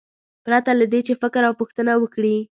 پرته له دې چې فکر او پوښتنه وکړي.